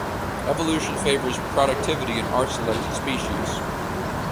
Evolution favors productivity in r-selected species.